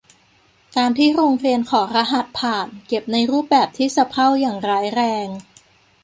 การที่โรงเรียนขอรหัสผ่าน เก็บในรูปแบบที่สะเพร่าอย่างร้ายแรง